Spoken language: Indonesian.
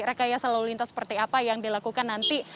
rekaya selalu lintas seperti apa yang dilakukan nanti